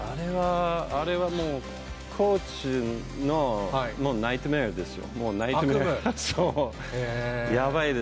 あれはもう、コーチのもうナイトメアですよ。